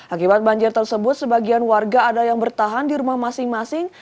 akibat banjir tersebut sebagian warga ada yang bertahan di rumah masing masing